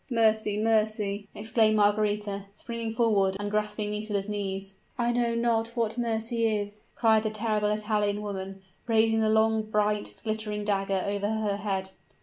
"Mercy mercy!" exclaimed Margaretha, springing forward, and grasping Nisida's knees. "I know not what mercy is!" cried the terrible Italian woman, raising the long, bright, glittering dagger over her head.